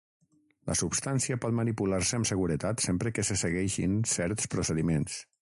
La substància pot manipular-se amb seguretat sempre que se segueixin certs procediments.